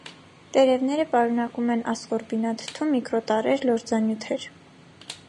Տերևները պարունակում են ասկորբինաթթու, միկրոտարրեր, լորձանյութեր։